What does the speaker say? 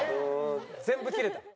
全部切れた。